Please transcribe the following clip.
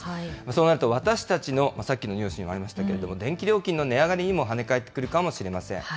そうなると私たちの、さっきのニュースにもありましたけれども、電気料金の値上がりにも跳ね返ってくるかもしれません。